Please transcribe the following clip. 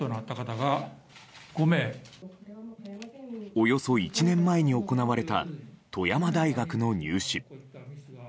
およそ１年前に行われた富山大学の入試。